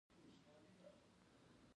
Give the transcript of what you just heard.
امریکا یو هیواد نه بلکی یو بر اعظم دی.